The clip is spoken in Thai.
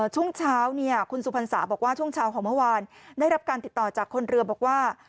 ช่วงเช้าเนี่ยคุณสุพรรษาบอกว่าช่วงเช้าของเมื่อวานได้รับการติดต่อจากคนเรือบอกว่า